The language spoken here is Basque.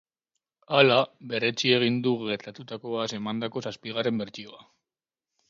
Hala, berretsi egin du gertatutakoaz emandako zazpigarren bertsioa.